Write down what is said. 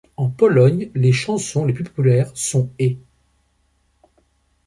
En Pologne, les chansons les plus populaires sont ' et '.